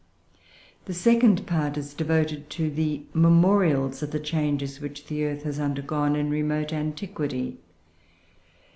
] The second part is devoted to the "Memorials of the Changes which the Earth has undergone in remote Antiquity."